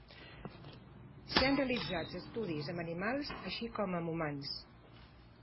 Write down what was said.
S'han realitzat estudis amb animals, així com amb humans.